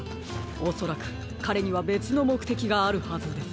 おそらくかれにはべつのもくてきがあるはずです。